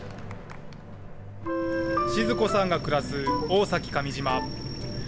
静子さんが暮らす大崎上島。